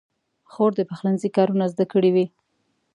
خور د پخلنځي کارونه زده کړي وي.